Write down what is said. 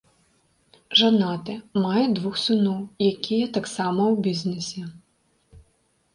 Жанаты, мае двух сыноў, якія таксама ў бізнэсе.